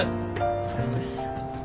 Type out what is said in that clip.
お疲れさまです。